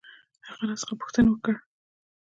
هغه راڅخه پوښتنه وکړ.